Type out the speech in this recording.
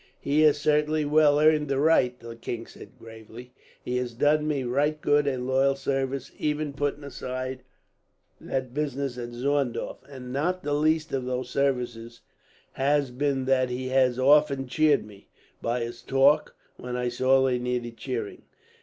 "He has certainly well earned the right," the king said gravely. "He has done me right good and loyal service, even putting aside that business at Zorndorf; and not the least of those services has been that he has often cheered me, by his talk, when I sorely needed cheering.